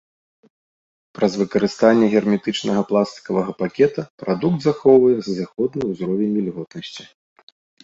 Праз выкарыстанне герметычнага пластыкавага пакета прадукт захоўвае зыходны ўзровень вільготнасці.